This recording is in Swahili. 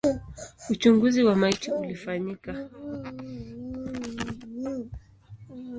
Uchunguzi wa maiti ulifanyika.